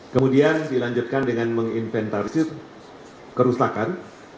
kemudian dilanjutkan dengan menginventarisir kerusakan